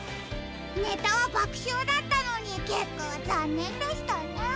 ネタはばくしょうだったのにけっかはざんねんでしたね。